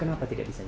kenapa tidak bisa